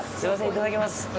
いただきます。